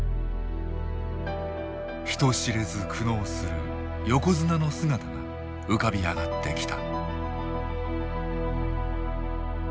人知れず苦悩する横綱の姿が浮かび上がってきた。